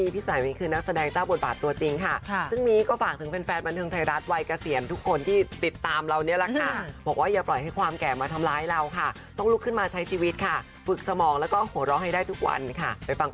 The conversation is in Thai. ที่มีฝากถึงแฟนบันเทิงไทยรัฐเกินมาด้วยค่ะ